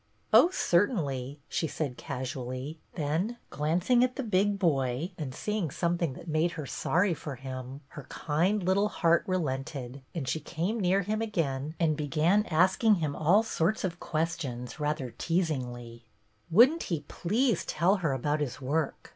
"Oh, certainly," she said casually; then glancing at the big boy and seeing some thing that made her sorry for him, her kind little heart relented and she came near him again and began asking him all sorts of ques tions rather tcasingly. Would n't he please tell her about his work?